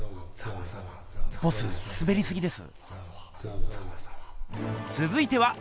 ボススベりすぎです。